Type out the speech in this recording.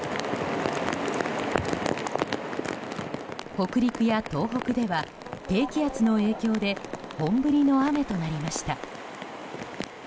北陸や東北では低気圧の影響で本降りの雨となりました。